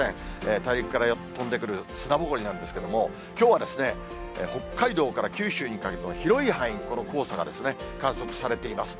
大陸から飛んでくる砂ぼこりなんですけども、きょうは北海道から九州にかけての広い範囲にこの黄砂が観測されています。